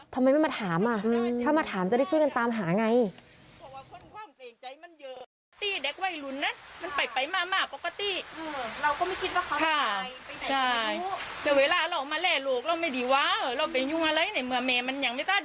ทำไมไม่มาถามอ่ะถ้ามาถามจะได้ช่วยกันตามหาไง